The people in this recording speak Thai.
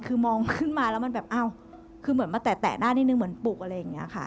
คือมองขึ้นมาแล้วมันแบบอ้าวคือเหมือนมาแตะหน้านิดนึงเหมือนปลุกอะไรอย่างนี้ค่ะ